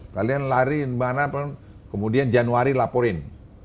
kalian lari kemana kemudian januari laporin